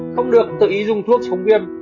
không được tự ý dùng thuốc chống viêm